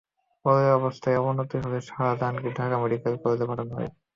পরে অবস্থার অবনতি হলে শাহজাহানকে ঢাকা মেডিকেল কলেজ হাসপাতালে পাঠানো হয়।